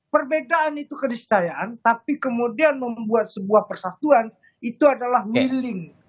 perbedaan itu kediscayaan tapi kemudian membuat sebuah persatuan itu adalah healing